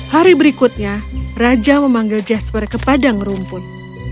hari berikutnya raja memanggil jasper ke padang rumput